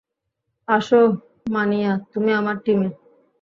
আসো, মানিয়া, তুমি আমার টিমে।